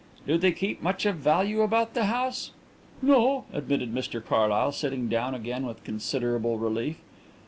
"Do they keep much of value about the house?" "No," admitted Mr Carlyle, sitting down again with considerable relief.